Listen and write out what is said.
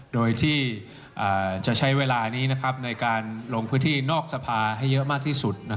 โดยที่จะใช้เวลานี้ในการลงพื้นที่นอกสภาให้เยอะมากที่สุด